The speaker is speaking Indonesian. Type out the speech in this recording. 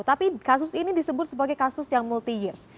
tapi kasus ini disebut sebagai kasus yang multi years